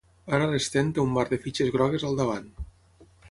Ara l'Sten té un mar de fitxes grogues al davant.